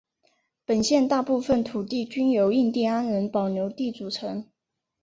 本县大部份土地均由印第安人保留地组成。